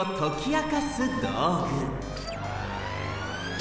あ？